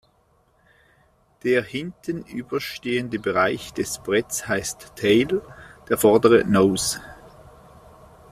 Der hinten überstehende Bereich des Bretts heißt "tail", der vordere "nose".